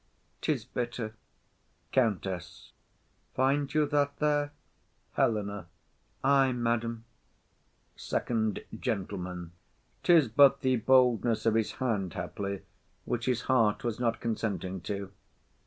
_ 'Tis bitter. COUNTESS. Find you that there? HELENA. Ay, madam. FIRST GENTLEMAN. 'Tis but the boldness of his hand haply, which his heart was not consenting to.